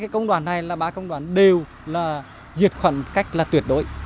ba công đoàn này là ba công đoàn đều diệt khuẩn cách tuyệt đối